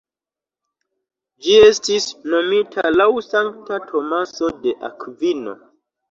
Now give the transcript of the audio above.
Ĝi estis nomita laŭ sankta Tomaso de Akvino.